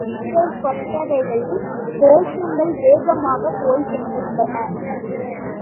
தேர்தல் கொட்டகைகளில், கோஷங்கள் கேவலமாக போய்க் கொண்டிருந்தன.